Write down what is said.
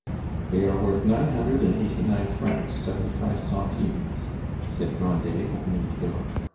"They are worth nine hundred and eighty nine francs, seventy five centimes," said Grandet, opening the door.